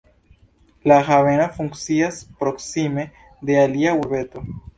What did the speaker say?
La haveno funkcias proksime de alia urbeto.